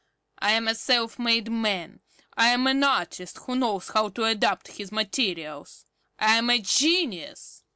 I am a self made man. I am an artist who knows how to adapt his materials. I am a genius.